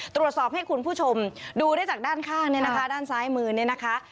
ตรวจสอบให้คุณผู้ชมดูได้จากด้านข้างเนี่ยนะคะด้านซ้ายมือเนี่ยนะคะ